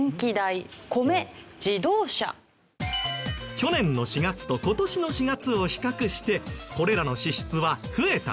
去年の４月と今年の４月を比較してこれらの支出は増えたのか？